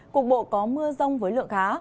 cục bộ có mưa rông với lượng khá